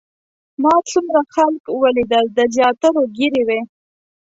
ما څومره خلک ولیدل د زیاترو ږیرې وې.